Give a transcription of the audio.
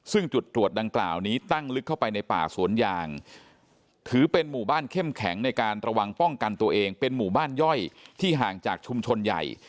ซึ่งจุดตรวจดังกล่าวนี้ตั้งลึกเข้าไปในป่าสวนยางถือเป็นหมู่บ้านเข้มแข็งในการระวังป้องกันตัวเองเป็นหมู่บ้านย่อยที่ห่างจากชุมชนใหญ่